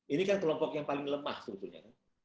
ini kan kelompok yang paling lemah sebetulnya kan